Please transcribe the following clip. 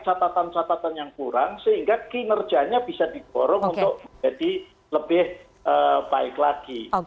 catatan catatan yang kurang sehingga kinerjanya bisa didorong untuk menjadi lebih baik lagi